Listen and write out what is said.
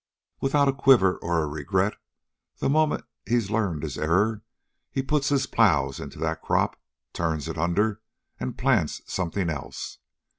Without a quiver or a regret, the moment he's learned his error, he puts his plows into that crop, turns it under, and plants something else.